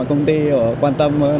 công ty quan tâm đến đời sống